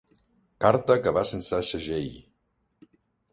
Carta que va sense segell.